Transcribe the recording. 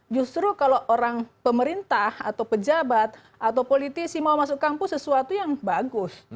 justru kalau orang pemerintah atau pejabat atau politisi mau masuk kampus sesuatu yang bagus